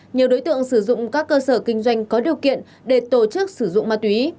nhiều đối tượng sử dụng các cơ sở kinh doanh có điều kiện để tổ chức sử dụng ma túy